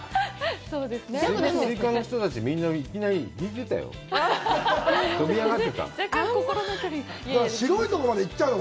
スイカの人たち、みんないきなり引いてたよ。